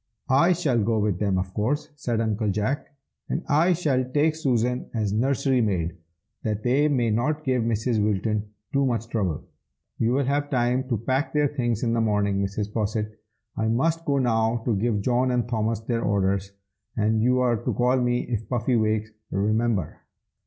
"I shall go with them, of course," said Uncle Jack, "and I shall take Susan as nursery maid, that they may not give Mrs. Wilton too much trouble. You will have time to pack their things in the morning, Mrs. Posset. I must go now to give John and Thomas their orders, and you are to call me if Puffy wakes, remember!"